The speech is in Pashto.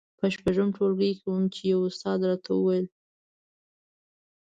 په شپږم ټولګي کې وم چې يوه استاد راته وويل.